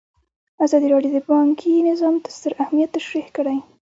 ازادي راډیو د بانکي نظام ستر اهميت تشریح کړی.